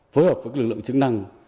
phối hợp với lực lượng chức năng